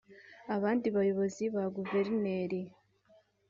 Abandi bayobozi (Guverineri